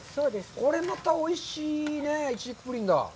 これ、またおいしいいちじくプリンだ。